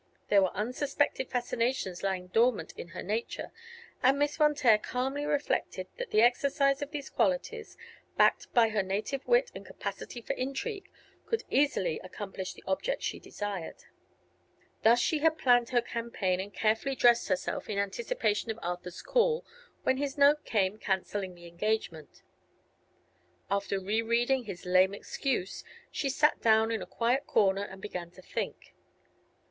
There were unsuspected fascinations lying dormant in her nature, and Miss Von Taer calmly reflected that the exercise of these qualities, backed by her native wit and capacity for intrigue, could easily accomplish the object she desired. Thus she had planned her campaign and carefully dressed herself in anticipation of Arthur's call when his note came canceling the engagement. After rereading his lame excuse she sat down in a quiet corner and began to think.